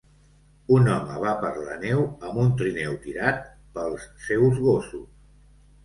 Un home va per la neu amb un trineu tirat pels seus gossos.